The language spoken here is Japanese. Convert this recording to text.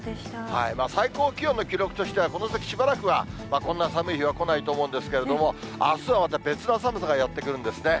最高気温の記録としては、この先しばらくは、こんな寒い日は来ないと思うんですけれども、あすはまた別な寒さがやって来るんですね。